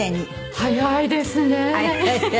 早いですよね。